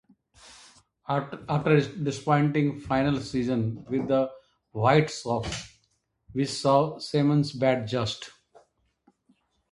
After a disappointing final season with the White Sox which saw Simmons bat just.